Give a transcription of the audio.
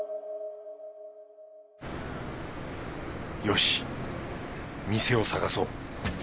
よし店を探そう。